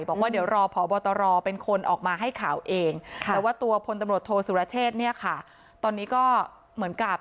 บอกว่าเดี๋ยวรอพบตรเป็นคนออกมาให้ข่าวเองแต่ว่าตัวพลตำรวจโทษสุรเชษเนี่ยค่ะตอนนี้ก็เหมือนกับ